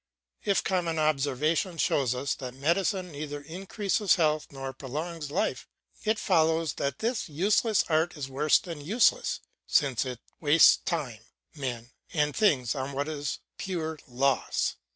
If common observation shows us that medicine neither increases health nor prolongs life, it follows that this useless art is worse than useless, since it wastes time, men, and things on what is pure loss.